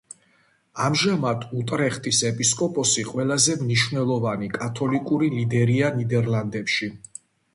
ამჟამად უტრეხტის ეპისკოპოსი ყველაზე მნიშვნელოვანი კათოლიკური ლიდერია ნიდერლანდში.